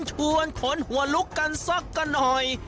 ชวนขนหัวลุกกันสักกันหน่อย